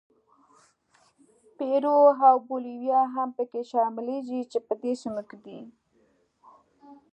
پیرو او بولیویا هم پکې شاملېږي چې په دې سیمو کې دي.